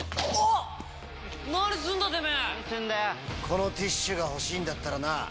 このティッシュが欲しいんだったらな